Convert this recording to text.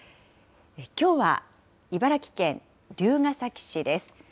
きょうは茨城県龍ケ崎市です。